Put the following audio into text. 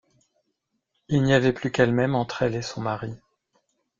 Il n’y avait plus qu’elle-même entre elle et son mari.